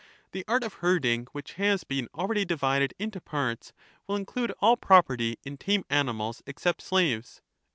The art of herding, which has been already tame divided into parts, will include all property in tame animals, an»™ais, except slaves.